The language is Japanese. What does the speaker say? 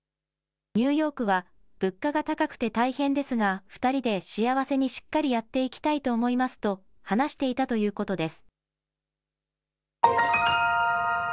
ニューヨークは物価が高くて大変ですが、２人で幸せにしっかりやっていきたいと思いますと話していたということです。